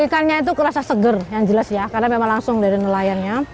ikannya itu terasa segar yang jelas ya karena memang langsung dari nelayan nya